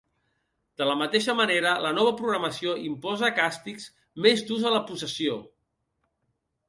De la mateixa manera, la nova programació imposa càstigs més durs a la possessió.